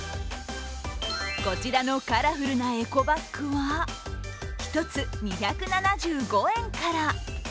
こちらのカラフルなエコバッグは１つ２７５円から。